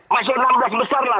masuk enam belas besarlah